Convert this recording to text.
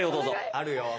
あるよ。